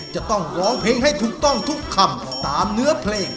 จะต้องร้องเพลงให้ถูกต้องทุกคำตามเนื้อเพลง